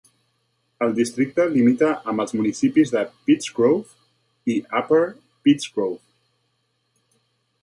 El districte limita amb els municipis de Pittsgrove i Upper Pittsgrove.